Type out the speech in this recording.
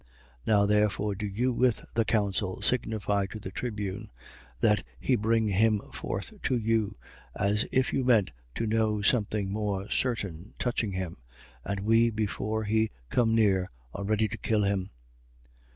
23:15. Now therefore do you with the council signify to the tribune, that he bring him forth to you, as if you meant to know something more certain touching him. And we, before he come near, are ready to kill him.